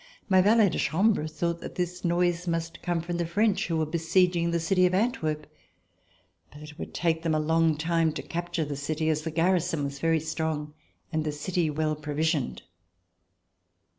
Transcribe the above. My valet de chambre thought that this noise must come from the French who were besieging the city of Antwerp, but that it would take them a long time to capture the city as the garrison was very strong and the city well provisioned.